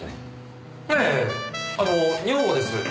ええあの女房です。